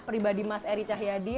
pribadi mas eri cahyadi